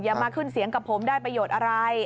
มาขึ้นเสียงกับผมได้ประโยชน์อะไร